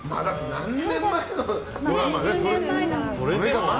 何年前のドラマ。